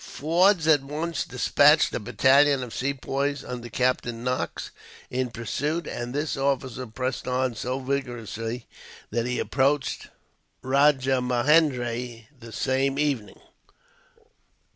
Forde at once despatched a battalion of Sepoys, under Captain Knox, in pursuit; and this officer pressed on so vigorously that he approached Rajahmahendri the same evening.